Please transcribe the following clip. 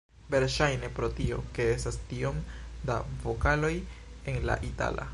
Verŝajne pro tio, ke estas tiom da vokaloj en la itala.